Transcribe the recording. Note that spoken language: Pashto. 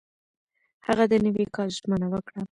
هغه د نوي کال ژمنه وکړه.